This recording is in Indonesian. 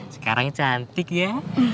sekarang cantik ya